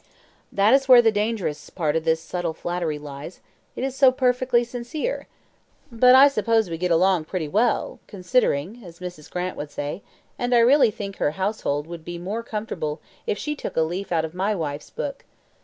"That is where the dangerous part of this subtle flattery lies; it is so perfectly sincere. But I suppose we get along pretty well, considering, as Mrs. Grant would say; and I really think her household would be more comfortable if she took a leaf out of my wife's book.